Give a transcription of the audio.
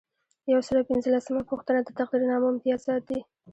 یو سل او پنځلسمه پوښتنه د تقدیرنامو امتیازات دي.